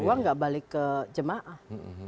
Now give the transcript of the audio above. uang nggak balik ke jemaah